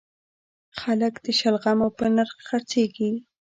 خلک د شلغمو په نرخ خرڅیږي